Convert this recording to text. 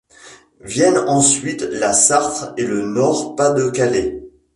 Viennent ensuite la Sarthe et le Nord-Pas-de-Calais.